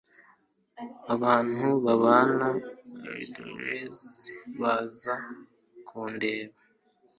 Abantu babana i Londres baza kundeba.